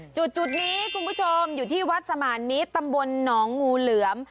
จุดนี้คุณผู้ชมอยู่ที่วัดสมานมิตรตำบลหนองงูเหลือม